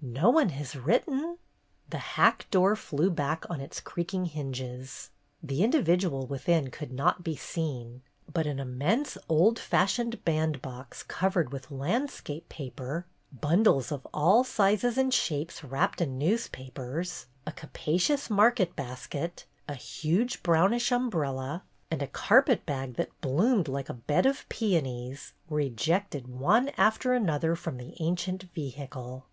"No one has written." The hack door flew back on its creaking hinges. The individual within could not be seen, but an immense old fashioned bandbox 149 MISS JANE ARRIVES covered with landscape paper, bundles of all sizes and shapes wrapped in newspapers, a capacious market basket, a huge brownish umbrella, and a carpetbag that bloomed like a bed of peonies, were ejected one after an other from the ancient vehicle.